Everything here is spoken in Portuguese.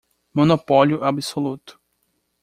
Monopólio absoluto